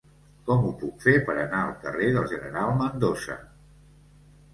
Com ho puc fer per anar al carrer del General Mendoza?